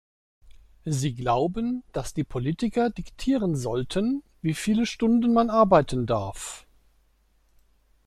Sie glauben, dass die Politiker diktieren sollten, wie viele Stunden man arbeiten darf.